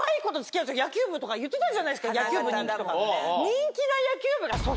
野球部言ってたじゃないですか野球部人気とか。